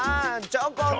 チョコン！